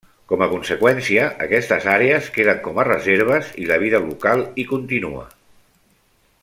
Com a conseqüència, aquestes àrees queden com a reserves i la vida local hi continua.